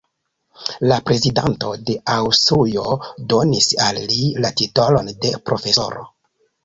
La Prezidanto de Aŭstrujo donis al li la titolon de "profesoro".